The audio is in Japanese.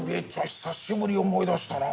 久しぶりに思い出したな。